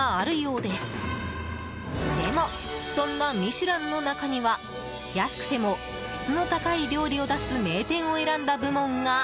でも、そんなミシュランの中には安くても質の高い料理を出す名店を選んだ部門が。